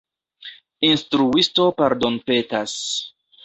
Instruisto pardonpetas.